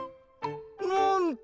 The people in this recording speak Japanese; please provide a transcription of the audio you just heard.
なんと！